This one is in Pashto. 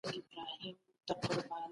تفصيلي بحث ئې پريږدو.